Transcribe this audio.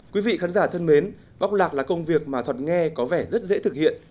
quý vị khán giả thân mến bóc lạc là công việc mà thuật nghe có vẻ rất dễ thực hiện